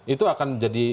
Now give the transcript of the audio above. itu akan jadi